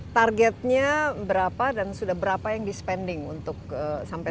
targetnya berapa dan sudah berapa yang di spending untuk sampai